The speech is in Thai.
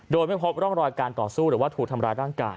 โดยไม่พบร่องรอยการต่อสู้หรือว่าถูกทำร้ายร่างกาย